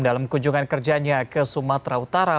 dalam kunjungan kerjanya ke sumatera utara